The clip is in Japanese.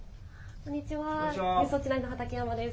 こんにちは、ニュースウオッチ９の畠山です。